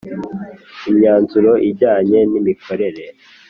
Imyanzuro ijyanye n imikorere